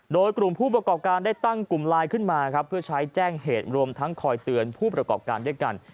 โดยกลุ่มผู้ประกอบการได้ตั้งกลุ่มไลน์ขึ้นมาครับเพื่อใช้แจ้งเหตุรวมทั้งคอยเตือนผู้ประกอบการด้วยกัน